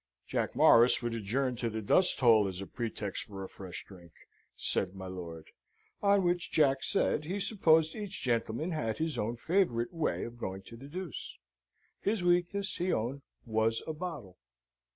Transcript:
"Jack Morris would adjourn to the Dust Hole, as a pretext for a fresh drink," said my lord. On which Jack said he supposed each gentleman had his own favourite way of going to the deuce. His weakness, he owned, was a bottle.